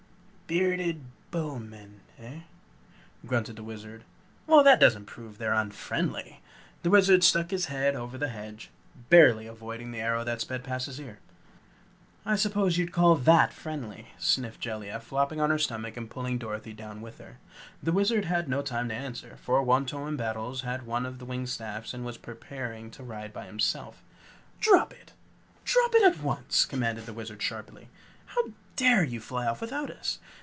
"Bearded Bowmen, eh?" grunted the Wizard. "Well, that doesn't prove they're unfriendly." The Wizard stuck his head over the hedge, barely avoiding the arrow that sped past his ear. "I suppose you'd call THAT friendly," sniffed Jellia, flopping on her stomach and pulling Dorothy down with her. The Wizard had no time to answer, for Wantowin Battles had one of the winged staffs and was preparing to ride by himself. "Drop it! Drop it at once!" commanded the Wizard sharply. "How dare you fly off without us?